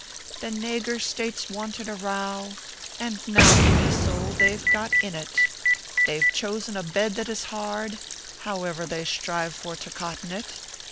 " The nagur States wanted a row, And now, be mo sowl, but they v.e got in it I They ve chosen a bed that is hard, However they shtrivo for to cotton it.